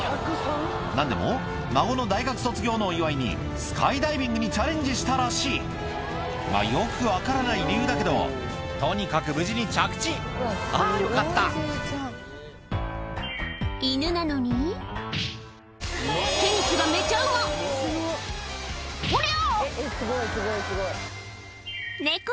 何でも孫の大学卒業のお祝いにスカイダイビングにチャレンジしたらしいまぁよく分からない理由だけどとにかく無事に着地あぁよかった「ほりゃ！」